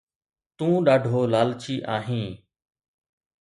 تون ڏاڍو لالچي آهين